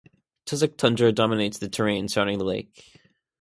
Tussock tundra dominates the terrain surrounding the lake.